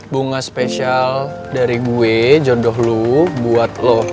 bunga spesial dari gue jodoh lo buat lo